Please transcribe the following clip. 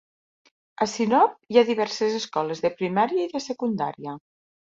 A Sinop hi ha diverses escoles de primària i de secundària.